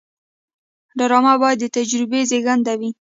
ډرامه باید د تجربې زیږنده وي